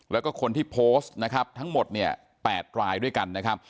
แล้วก็คนที่โพสต์นะครับทั้งหมดเนี่ย๘รายด้วยกันนะครับ